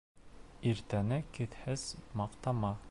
Иртәне кисһеҙ маҡтама.